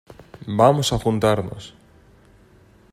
vamos a juntarnos.